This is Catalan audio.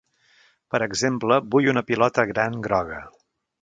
Per exemple, vull una pilota gran groga.